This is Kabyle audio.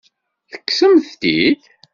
Tekksemt-t-id?